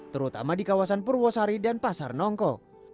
terutama di kawasan purwosari dan pasar nongko